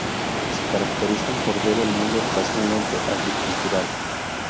Se caracterizan por ver el mundo tras una lente agricultural.